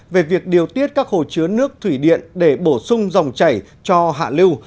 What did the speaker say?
về việc điều tiết các hồ chứa nước thủy điện để bổ sung dòng chảy cho hạ lưu